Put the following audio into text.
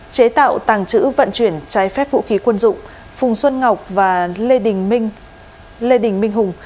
chế tạo tàng trữ vận chuyển trái phép vũ khí quân dụng phùng xuân ngọc và lê đình minh hùng